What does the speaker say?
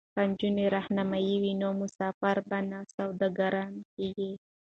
که نجونې رهنما وي نو مسافر به نه سرګردانه کیږي.